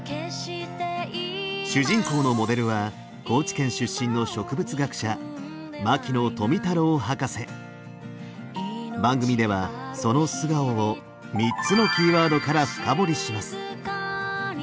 主人公のモデルは高知県出身の番組ではその素顔を３つのキーワードから深掘りします。